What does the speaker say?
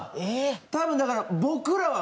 多分だから。